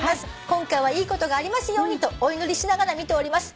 「今回はいいことがありますようにとお祈りしながら見ております。